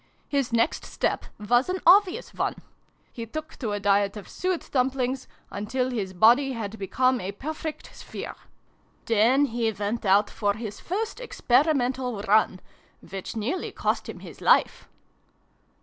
" His next step was an obvious one. He took to a diet of suet dumplings, until his body had become a perfect sphere. Then 192 SYLVIE AND BRUNO CONCLUDED. he went out for his first experimental run which nearly cost him his life